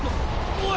おい！